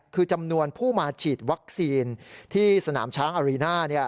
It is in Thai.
คือจำนวนผู้มาฉีดวัคซีนที่สนามช้างอารีน่า